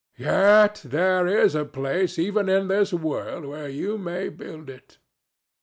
"Yet there is a place even in this world where ye may build it."